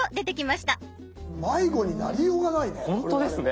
迷子になりようがないね。